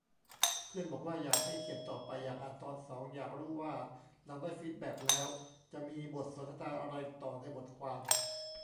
เพื่อนบอกว่า อยากให้เขียนต่อไป อยากอ่านตอนสอง อยากรู้ว่าหลังได้ฟีดแบคแล้วจะมีบทสนทนาอะไรต่อในบทความ